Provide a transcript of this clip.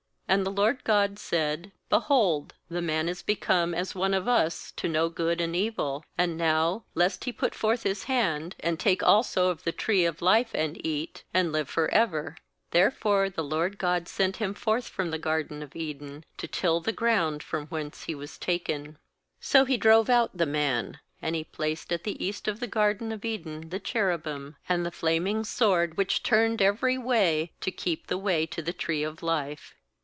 ^And the LORD God said: 'Behold, the man is become as one of us, to know good and evil; and now, lest he put forth his hand, and take also of the tree of life, and eat, and live for ever/ ^Therefore the LORD God sent him forth from the garden of Eden, to till the ground from whence he was taken. ^So He drove out the man; and He placed at the east of the garden of Eden the cherubim, and the flaming sword which turned every way, to keep the way to the tree of life.